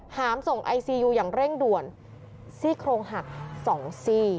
หามส่งไอซียูอย่างเร่งด่วนซี่โครงหักสองซี่